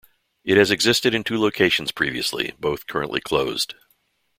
It has existed in two locations previously, both currently closed.